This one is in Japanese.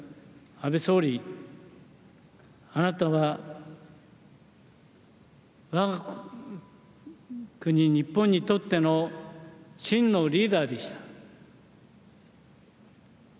安倍総理あなたは我が国、日本にとっての真のリーダーでした。